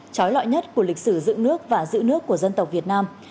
trói lọi nhất của lịch sử dựng nước và giữ nước của dân tộc việt nam